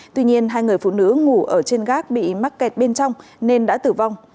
tuy nhiên hai người phụ nữ ngủ ở trên gác bị mắc kẹt bên trong nên đã tử vong